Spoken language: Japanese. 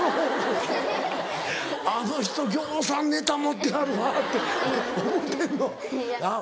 あの人ぎょうさんネタ持ってはるわって思ってんの？